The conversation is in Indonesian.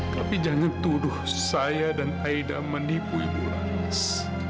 tapi jangan tuduh saya dan aida menipu ibu ranis